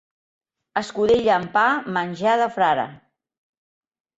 Escudella amb pa, menjar de frare.